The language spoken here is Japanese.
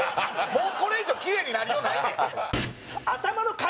もうこれ以上キレイになりようないねん。